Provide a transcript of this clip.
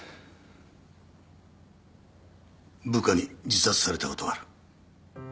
部下に自殺されたことがある。